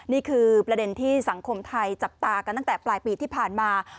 นี่คือประเด็นที่สังคมไทยจับตากันตั้งแต่ปลายปีที่ผ่านมา